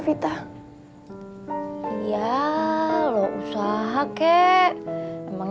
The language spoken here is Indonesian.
saya masih masih